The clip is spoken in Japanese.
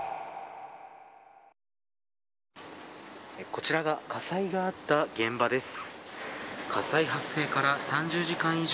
こちらが火災があった現場です。